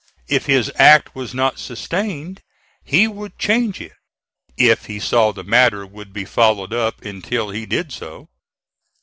If his act was not sustained, he would change it if he saw the matter would be followed up until he did so.